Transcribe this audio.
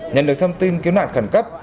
nhận được thông tin kiếm nạn khẩn cấp